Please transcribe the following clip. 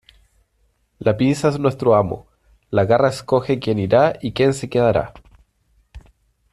La pinza es nuestro amo. La garra escoge quién irá y quien se quedará .